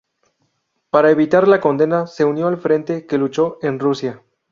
Para evitar la condena se unió al frente que luchó en Rusia.